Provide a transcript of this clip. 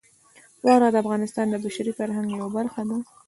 واوره د افغانستان د بشري فرهنګ یوه برخه ده.